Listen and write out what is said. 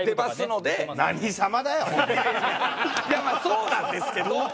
まあそうなんですけど。